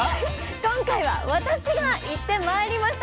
今回は私が行ってまいりました。